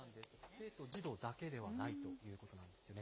生徒児童だけではないということなんですよね。